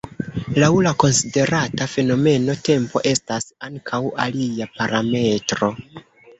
Laŭ la konsiderata fenomeno, tempo estas ankaŭ alia parametro.